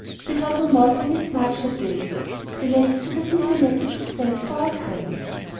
We heard no more from Miss March that day. The next, we received a message of thanks for our "kindness."